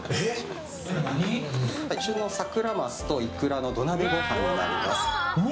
サクラマスとイクラの土鍋ご飯でございます。